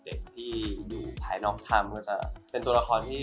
เด็กที่อยู่ภายนอกทำก็จะเป็นตัวละครที่